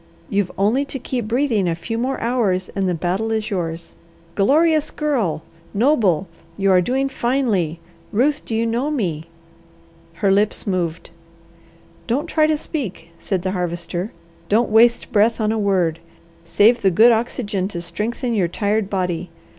You've only to keep breathing a few more hours and the battle is yours. Glorious Girl! Noble! You are doing finely! Ruth, do you know me?" Her lips moved. "Don't try to speak," said the Harvester. "Don't waste breath on a word. Save the good oxygen to strengthen your tired body.